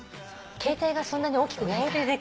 携帯がそんなに大きくないから。